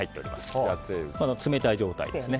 その冷たい状態ですね。